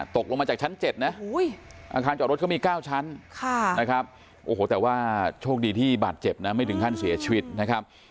ตกลงมาจากชั้น๗นะอาคารจอดรถเขามี๙ชั้นนะครับโอ้โหแต่ว่าโชคดีที่บาดเจ็บนะไม่ถึงขั้นเสียชีวิตนะครับ